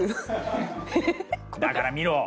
だから見ろ！